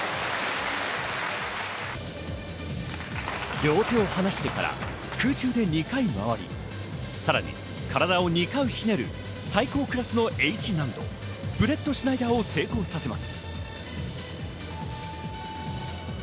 両手を離してから、空中で２回回り、さらに体を２回ひねる最高クラスのＨ難度ブレットシュナイダーを成功させます。